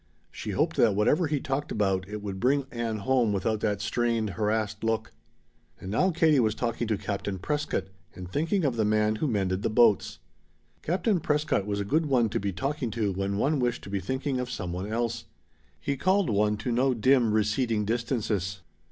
She hoped that whatever he talked about it would bring Ann home without that strained, harassed look. And now Katie was talking to Captain Prescott and thinking of the man who mended the boats. Captain Prescott was a good one to be talking to when one wished to be thinking of some one else. He called one to no dim, receding distances.